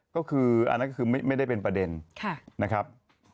ก็คืออันนั้นก็คือไม่ได้เป็นประเด็นนะครับ